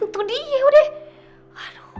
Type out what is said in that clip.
tuh dia udah